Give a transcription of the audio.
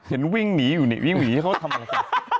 เห็นวิ่งหนีอยู่นี่วิ่งหนีเขาทำอะไรกัน